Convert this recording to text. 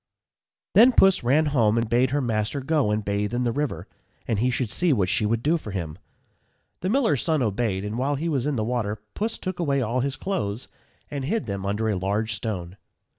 _ Then Puss ran home and bade her master go and bathe in the river, and he should see what she would do for him. The miller's son obeyed; and while he was in the water, Puss took away all his clothes, and hid them under a large stone.